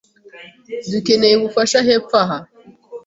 Dukeneye ubufasha hepfo aha.